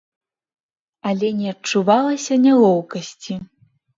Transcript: Але не адчувалася нялоўкасці.